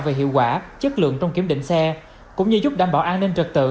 về hiệu quả chất lượng trong kiểm định xe cũng như giúp đảm bảo an ninh trật tự